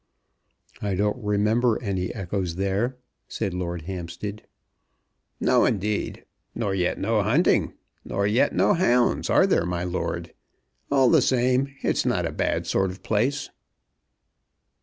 "I don't remember any echoes there," said Lord Hampstead. "No, indeed; nor yet no hunting, nor yet no hounds; are there, my lord? All the same, it's not a bad sort of place!"